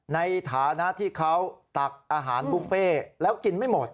ในฐานะที่เขาตักอาหารบุฟเฟ่แล้วกินไม่หมด